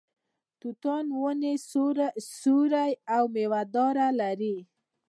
د توتانو ونې سیوری او میوه دواړه لري.